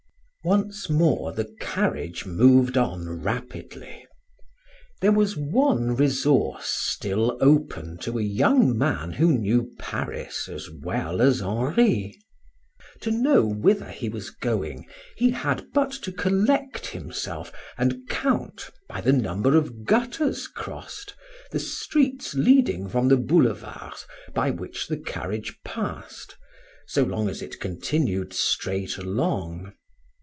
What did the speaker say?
Once more the carriage moved on rapidly. There was one resource still open to a young man who knew Paris as well as Henri. To know whither he was going, he had but to collect himself and count, by the number of gutters crossed, the streets leading from the boulevards by which the carriage passed, so long as it continued straight along.